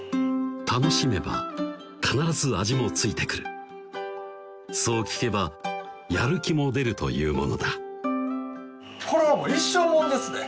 楽しめば必ず味もついてくるそう聞けばやる気も出るというものだこれはもう一生もんですね！